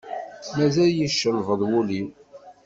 Mazal yeccelbeḍ wul-iw.